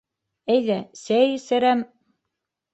Әйҙә, сәй эсерәм...